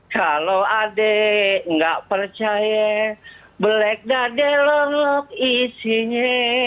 kalau adek nggak percaya belek dada lolok isinya